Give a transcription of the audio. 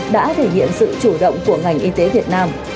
đã thể hiện sự chủ động của ngành y tế việt nam